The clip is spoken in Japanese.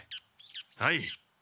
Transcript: はい。